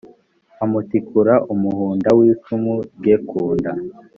amutikura umuhunda w icumu rye ku nda